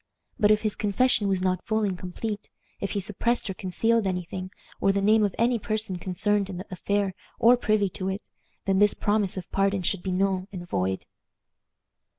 But if his confession was not full and complete if he suppressed or concealed any thing, or the name of any person concerned in the affair or privy to it, then this promise of pardon should be null and void.